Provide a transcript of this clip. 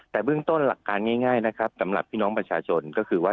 แต่เบื้องต้นหลักการง่ายนะครับสำหรับพี่น้องประชาชนก็คือว่า